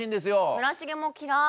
村重も嫌い。